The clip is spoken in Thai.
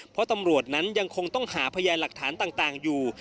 เพราะตำรวจนั้นยังคงต้องหาพยานหลักฐานต่างอยู่